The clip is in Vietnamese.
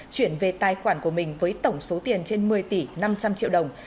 chuyển về tài khoản của mình với tổng số tiền trên một mươi tỷ năm trăm linh triệu đồng